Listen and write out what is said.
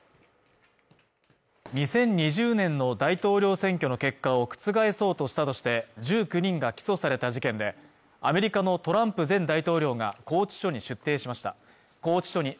２０２０年の大統領選挙の結果を覆そうとしたとして１９人が起訴された事件でアメリカのトランプ前大統領が拘置所に出頭しました